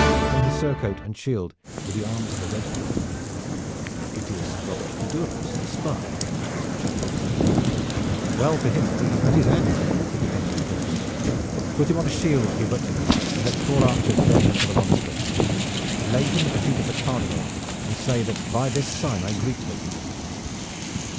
On his surcoat and shield were the arms of a red griffin. "It is Robert de Duras the spy," said Chandos. "Well for him that he has met his end," said the angry Prince. "Put him on his shield, Hubert, and let four archers bear him to the monastery. Lay him at the feet of the Cardinal and say that by this sign I greet him.